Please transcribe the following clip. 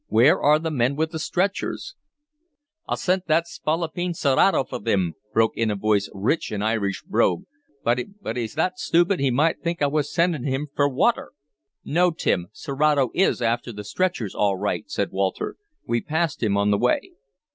"Where are the men with stretchers?" "I sint that Spalapeen Serato for thim!" broke in a voice, rich in Irish brogue. "But he's thot stupid he might think I was after sindin' him fer wather!" "No, Tim. Serato is after the stretchers all right," said Walter. "We passed him on the way."